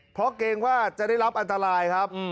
เพราะเกรงว่าจะได้รับอันตรายครับ